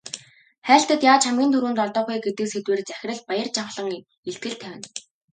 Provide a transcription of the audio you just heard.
Хайлтад яаж хамгийн түрүүнд олдох вэ гэдэг сэдвээр захирал Баяржавхлан илтгэл тавина.